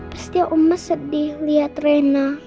pasti oma sedih liat reina